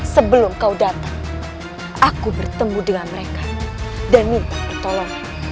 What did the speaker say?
sebelum kau datang aku bertemu dengan mereka dan minta pertolong